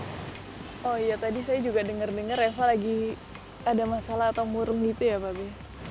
oh iya tadi saya juga denger denger reva lagi ada masalah atau murn gitu ya pak be